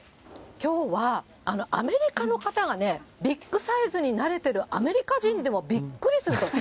きょうは、アメリカの方がね、ビッグサイズに慣れているアメリカ人でもびっくりすると。